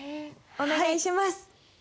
お願いします。